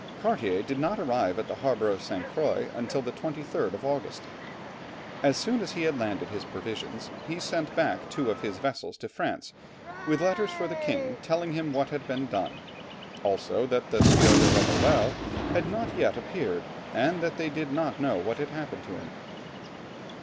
Cartier did not arrive at the harbour of St. Croix till the 23rd of August. As soon as he had landed his provisions, he sent back two of his vessels to France with letters for the king, telling him what had been done, also that the Sieur de Roberval had not yet appeared, and that they did not know what had happened to him.